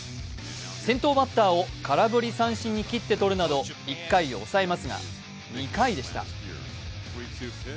先頭バッターを空振り三振に切って取るなど、１回を抑えますが、２回でした。